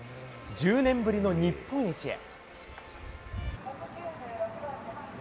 １０年ぶりの日本一へ。